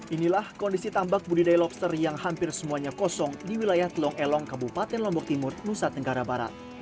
inilah kondisi tambak budidaya lobster yang hampir semuanya kosong di wilayah telong elong kabupaten lombok timur nusa tenggara barat